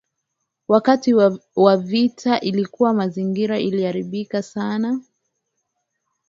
wakati vita ilikuwa mazingira iliharibika sana